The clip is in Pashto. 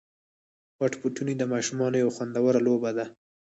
پټ پټوني د ماشومانو یوه خوندوره لوبه ده.